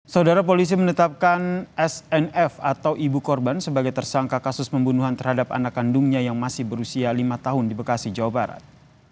saudara polisi menetapkan snf atau ibu korban sebagai tersangka kasus pembunuhan terhadap anak kandungnya yang masih berusia lima tahun di bekasi jawa barat